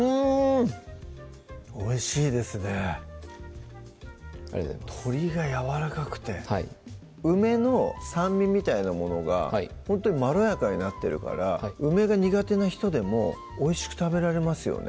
おいしいですねありがとうございます鶏がやわらかくてはい梅の酸味みたいなものがほんとにまろやかになってるから梅が苦手な人でもおいしく食べられますよね